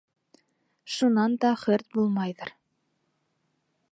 Шунан да хөрт булмайҙыр...